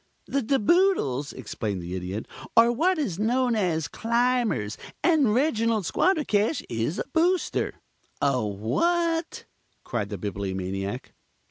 "The De Boodles," explained the Idiot, "are what is known as Climbers, and Reginald Squandercash is a Booster." "A what?" cried the Bibliomaniac.